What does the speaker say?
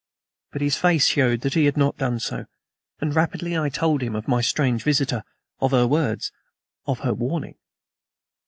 But his face showed that he had not done so, and rapidly I told him of my strange visitor, of her words, of her warning.